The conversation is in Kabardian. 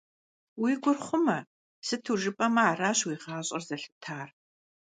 Уи гур хъумэ, сыту жыпӀэмэ аращ уи гъащӀэр зэлъытар.